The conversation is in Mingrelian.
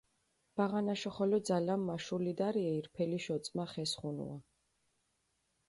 ბაღანაშო ხოლო ძალამ მაშულიდარიე ირფელიშ ოწმახ ესხუნუა.